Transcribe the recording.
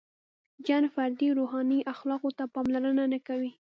• جن فردي روحاني اخلاقو ته پاملرنه نهکوي.